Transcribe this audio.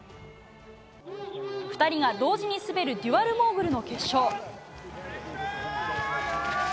２人が同時に滑るデュアルモーグルの決勝。